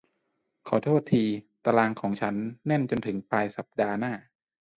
ขอโทษที ตารางของฉันแน่นจนถึงปลายสัปดาห์หน้า